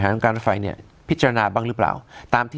ว่ารถไฟอยู่มาว่า